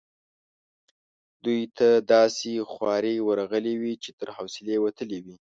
دوی ته داسي خوارې ورغلي وې چې تر حوصلې وتلې وي.